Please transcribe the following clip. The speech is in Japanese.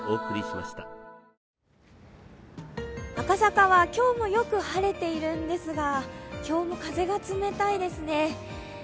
赤坂は今日もよく晴れているんですが、今日も風が冷たいですね。